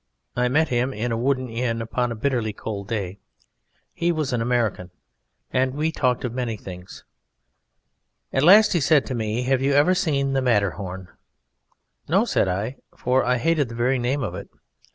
I met him in a wooden inn upon a bitterly cold day. He was an American, and we talked of many things. At last he said to me: "Have you ever seen the Matterhorn?" "No," said I; for I hated the very name of it.